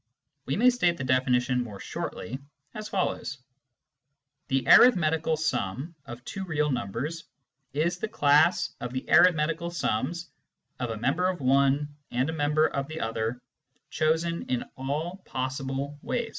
We may state the definition more shortly as follows :— The arithmetical sum of two real numbers is the class of the arithmetical sums of a member of the one and a member of the other chosen in all possible ways.